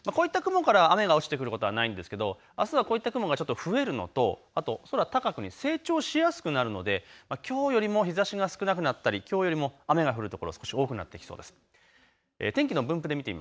こういった雲から雨が落ちてくることはないんですけれどあすはこういった雲が増えるのと空高くに成長しやすくなるのできょうよりも日ざしが少なくなったり、きょうよりも雨が降るところ、少し多くなってきそうです。